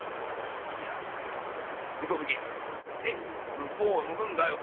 「向こう向くんだよ」。